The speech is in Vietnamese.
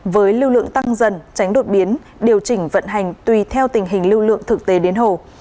với lưu lượng tăng dần tránh đột biến điều chỉnh vận hành tùy theo tình hình lưu lượng thực tế đến hồ